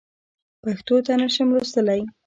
پښتو نه شم لوستلی.